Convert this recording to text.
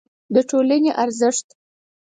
د ټولنې ارزښت